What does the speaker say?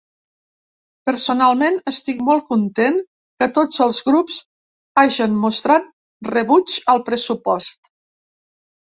Personalment, estic molt content que tots els grups hagen mostrat rebuig al pressupost.